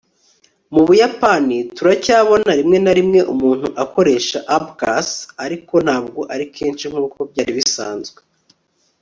mu buyapani, turacyabona rimwe na rimwe umuntu akoresha abacus, ariko ntabwo ari kenshi nkuko byari bisanzwe